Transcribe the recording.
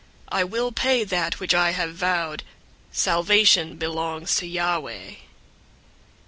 I will pay that which I have vowed. Salvation belongs to Yahweh."